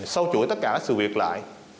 sau chuỗi tất cả sự việc lại